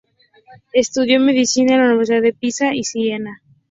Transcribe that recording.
Estudió medicina en la Universidad de Pisa y Siena.